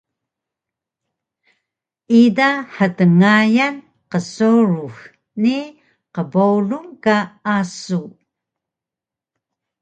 Ida htngayan qsurux ni qbowlung ka asu